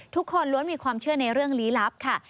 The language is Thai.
ทุกคนล้วนมีความเชื่อในเรื่องลี้ลับค่ะ